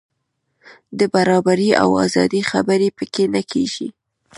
د برابرۍ او ازادۍ خبرې په کې نه کېږي.